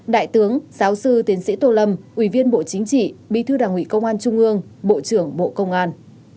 đại tướng giáo sư tiến sĩ tô lâm ủy viên bộ chính trị bí thư đảng ủy công an trung ương bộ trưởng bộ công an